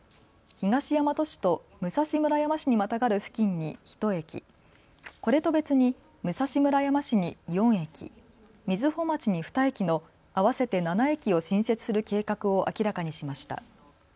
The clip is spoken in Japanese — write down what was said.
東大和市と武蔵村山市にまたがる付近に１駅、これと別に武蔵村山市に４駅、瑞穂町に２駅の合わせて７駅を新設する計画を明らかにしました。